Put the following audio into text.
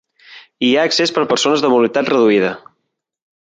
Hi ha accés per a persones de mobilitat reduïda.